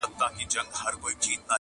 زما فال یې د حافظ په میخانه کي وو کتلی؛